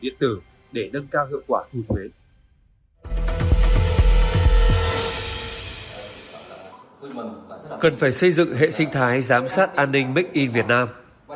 cần phải xây dựng hệ sinh thái giám sát an ninh make in việt nam